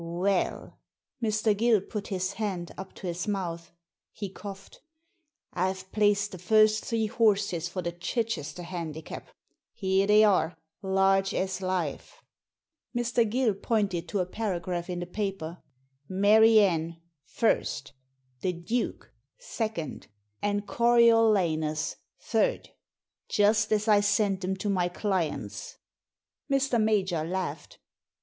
" Well,'* Mr. Gill put his hand up to his mouth : he coughed. " I've placed the first three horses for the Chichester Handicap. Here they are, large as life." Mr. Gill pointed to a paragraph in the paper. " Mary Anne, i ; The Duke, 2 ; and Coriolanus, 3 ; just as I sent 'em to my clients !" Mr. Major laughed.